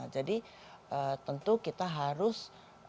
jadi tentu kita harus